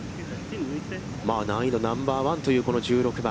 難易度ナンバー１というこの１６番。